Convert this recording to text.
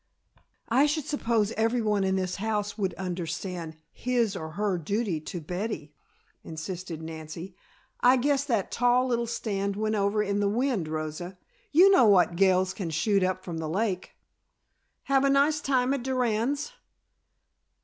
"I should suppose everyone in this house would understand his or her duty to Betty," insisted Nancy. "I guess that tall little stand went over in the wind, Rosa. You know what gales can shoot up from the lake. Have a nice time at Durand's?"